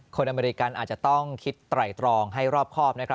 อเมริกันอาจจะต้องคิดไตรตรองให้รอบครอบ